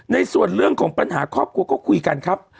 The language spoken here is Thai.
ในส่วนของปัญหาครอบครัวก็คุยกันครับ